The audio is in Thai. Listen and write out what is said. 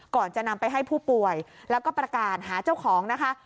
ก่อนจะนำไปให้ผู้ป่วยแล้วก็ประกาศหาเจ้าของนะคะ